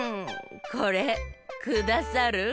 これくださる？